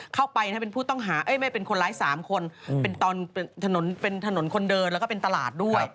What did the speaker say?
เข้าไปเป็นคนร้าย๓คนเป็นถนนคนเดินแล้วก็เป็นตลาดด้วย